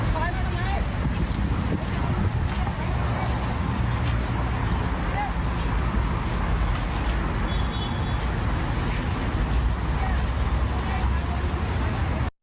ไม่ถึง